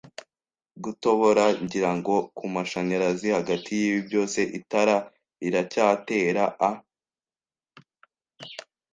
gutobora, ngira ngo, kumashanyarazi. Hagati yibi byose itara riracyatera a